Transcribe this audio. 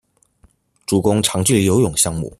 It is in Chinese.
主攻长距离游泳项目。